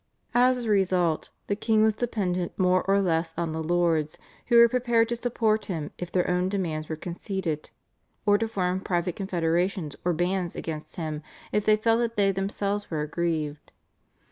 As a result the king was dependent more or less on the lords, who were prepared to support him if their own demands were conceded, or to form private confederations or "bands" against him if they felt that they themselves were aggrieved.